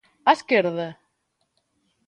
A esquerda?